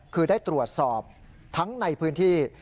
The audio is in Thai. คือได้ตรวจสอบทั้งในพื้นที่